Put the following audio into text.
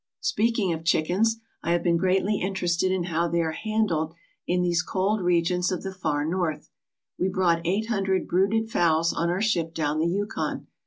Speaking of chickens, I have been greatly interested in how they are handled in these cold regions of the Far North. We brought eight hundred brooded fowls on our ship down the Yukon.